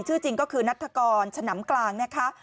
จริงก็คือนัฐกรฉนำกลางนะคะ